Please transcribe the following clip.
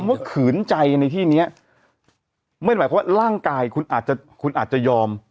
ว่าขืนใจในที่เนี้ยไม่หมายความว่าร่างกายคุณอาจจะคุณอาจจะยอม